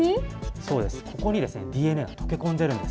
そうです、ここにＤＮＡが溶け込んでるんです。